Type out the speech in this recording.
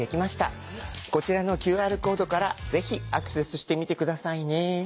こちらのＱＲコードからぜひアクセスしてみて下さいね。